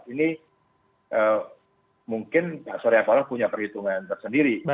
ini mungkin pak suryavolo punya perhitungan tersendiri